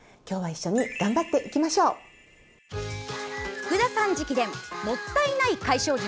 福田さん直伝もったいない解消術。